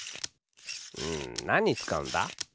うんなんにつかうんだ？